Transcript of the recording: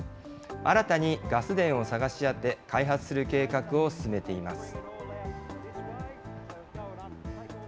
新たにガス田を探し当て、開発する計画を進めています。